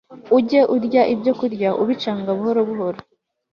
Ujye urya ibyokurya ubikacanga buhoro buhoro